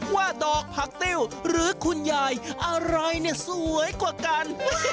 ว่าดอกผักติ้วหรือคุณยายอะไรเนี่ยสวยกว่ากัน